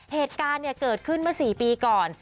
เหตุการณ์เกิดขึ้นเมื่อ๔ปีก่อน